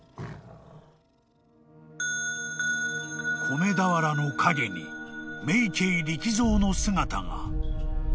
・［米俵の陰に明景力蔵の姿が］